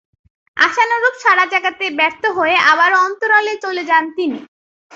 আশানুরূপ সাড়া জাগাতে ব্যর্থ হয়ে আবারও অন্তরালে চলে যান তিনি।